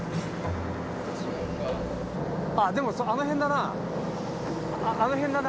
あっでもあの辺だな。